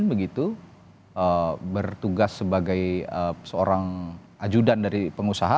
begitu bertugas sebagai seorang ajudan dari pengusaha